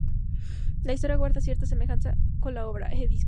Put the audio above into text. La historia guarda cierta semejanza con la obra Edipo.